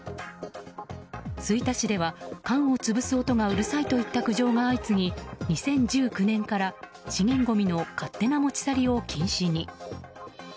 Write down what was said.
吹田市では缶を潰す音がうるさいといった苦情が相次ぎ２０１９年から資源ごみの勝手な持ち去りを禁止に。